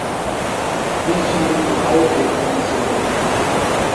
مِیشی گُبھائی ٹیکہ ہنسِلوۡ دےۡ؟